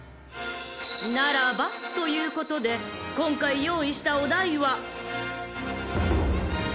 ［ならばということで今回用意したお題は］